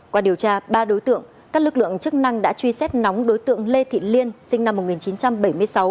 qua điều tra ba đối tượng các lực lượng chức năng đã truy xét nóng đối tượng lê thị liên sinh năm một nghìn chín trăm bảy mươi sáu